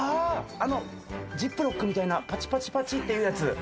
あのジップロックみたいな、パチパチパチっていうやつ。